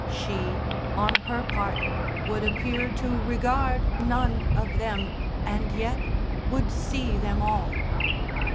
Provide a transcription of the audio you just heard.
She, on her part, would appear to regard none of them, and yet would see them all.